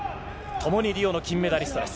共にリオの金メダリストです。